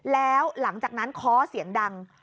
แล้วหลังจากนั้นค้อเสียงดัง